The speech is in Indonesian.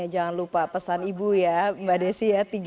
jangan lupa pesan ibu ya mbak desi ya